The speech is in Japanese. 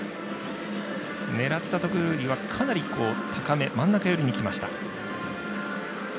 狙ったところよりは、かなり高め真ん中よりにきました。